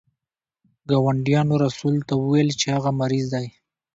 ګاونډیانو رسول ته وویل چې هغه مریض دی.